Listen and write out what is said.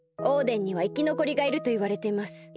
オーデンにはいきのこりがいるといわれています。